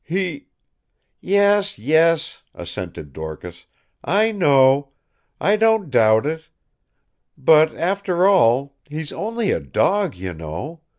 He " "Yes, yes," assented Dorcas, "I know. I don't doubt it. But, after all, he's only a dog, you know.